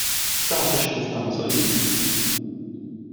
Ta d taceqquft taneṣlit?